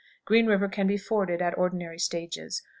Green River can be forded at ordinary stages.